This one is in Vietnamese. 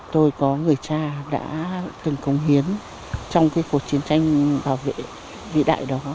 tôi có người cha đã từng cống hiến trong cái cuộc chiến tranh bảo vệ vĩ đại đó